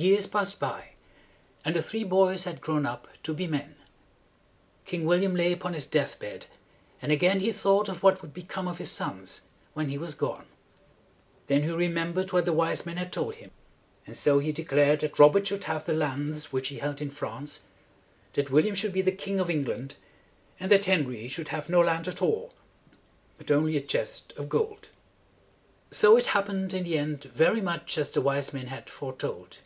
Years passed by, and the three boys had grown up to be men. King William lay upon his death bed, and again he thought of what would become of his sons when he was gone. Then he re mem bered what the wise men had told him; and so he de clared that Robert should have the lands which he held in France, that William should be the King of England, and that Henry should have no land at all, but only a chest of gold. So it hap pened in the end very much as the wise men had fore told.